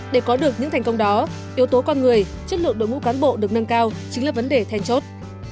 để có được những thành công đó yếu tố con người chất lượng đội ngũ cán bộ được nâng cao chính là vấn đề then chốt